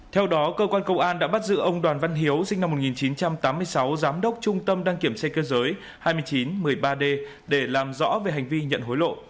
theo đó cơ quan công an đã bắt giữ ông đoàn văn hiếu sinh năm một nghìn chín trăm tám mươi sáu giám đốc trung tâm đăng kiểm xe cơ giới hai nghìn chín trăm một mươi ba d để làm rõ về hành vi nhận hối lộ